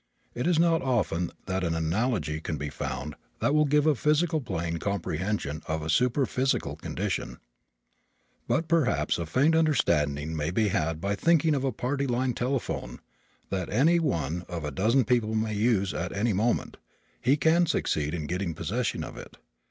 It is not often that an analogy can be found that will give a physical plane comprehension of a superphysical condition, but perhaps a faint understanding may be had by thinking of a "party line" telephone that any one of a dozen people may use at any moment he can succeed in getting possession of it.